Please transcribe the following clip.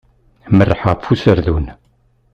Merreḥ ɣef userdun.